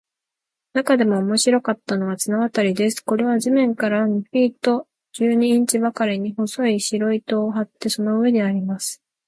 なかでも面白かったのは、綱渡りです。これは地面から二フィート十二インチばかりに、細い白糸を張って、その上でやります。